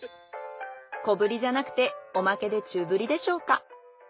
小ぶりじゃなくておまけで中ぶりでしょうか。